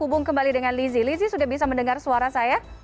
menyambung kembali dengan lizzy lizzy sudah bisa mendengar suara saya